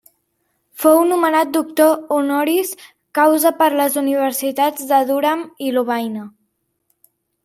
Fou nomenat doctor honoris causa per les universitats de Durham i Lovaina.